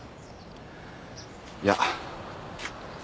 いや。